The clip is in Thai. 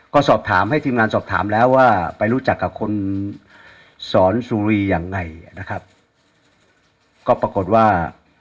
ก็สอบถามให้ทีมงานสอบถามแล้วว่าไปรู้จักกับคนสอนสุรียังไงนะครับก็ปรากฏว่า